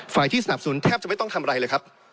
ที่สนับสนุนแทบจะไม่ต้องทำอะไรเลยครับ